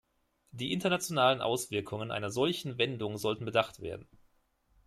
Die internationalen Auswirkungen einer solchen Wendung sollten bedacht werden.